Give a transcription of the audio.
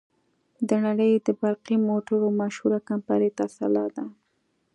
د نړې د برقی موټرو مشهوره کمپنۍ ټسلا ده.